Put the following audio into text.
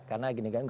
karena gini kan